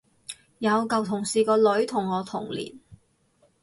有舊同事個女同我同年